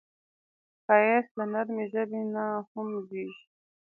ښایست له نرمې ژبې نه هم زېږي